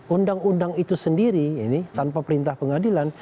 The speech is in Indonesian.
undang undang itu sendiri ini tanpa perintah pengadilan